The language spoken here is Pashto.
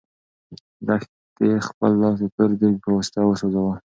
لښتې خپل لاس د تور دېګ په واسطه وسوځاوه.